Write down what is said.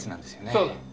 そうだ。